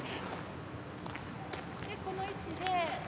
でこの位置で。